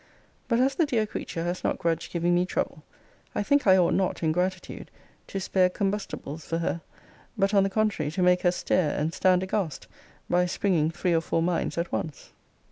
But as the dear creature has not grudged giving me trouble, I think I ought not, in gratitude, to spare combustibles for her; but, on the contrary, to make her stare and stand aghast, by springing three or four mines at once.